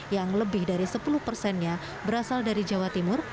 yang lebih dari sepuluh persennya berasal dari jawa timur